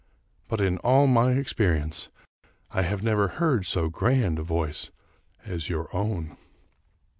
But in all my experience I have never heard so grand a voice as your own."